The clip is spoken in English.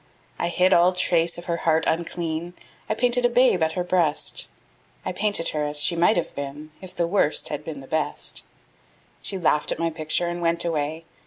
I hid all trace of her heart unclean; I painted a babe at her breast; I painted her as she might have been If the Worst had been the Best. She laughed at my picture and went away.